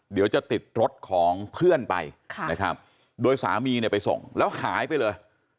เดี๋ยวจะติดรถของเพื่อนไปนะครับโดยสามีเนี่ยไปส่งแล้วหายไปเลย